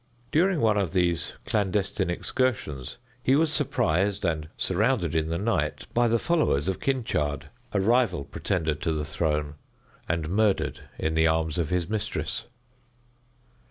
During one of these clandestine excursions he was surprised and surrounded in the night by the followers of Kynchard, a rival pretender to the throne, and murdered in the arms of his mistress.